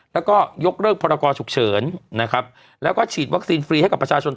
แล้วก็ยกเลิกพรกรฉุกเฉินนะครับแล้วก็ฉีดวัคซีนฟรีให้กับประชาชน